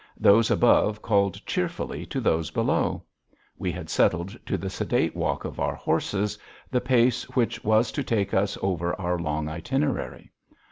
Those above called cheerfully to those below. We had settled to the sedate walk of our horses, the pace which was to take us over our long itinerary.